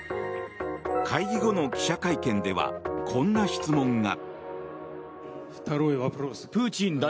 会議後の記者会見ではこんな質問が。